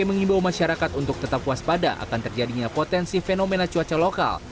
yang mengimbau masyarakat untuk tetap puas pada akan terjadinya potensi fenomena cuaca lokal